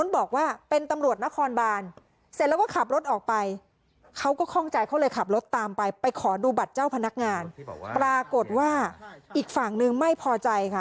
บอกว่าอีกฝั่งนึงไม่พอใจค่ะ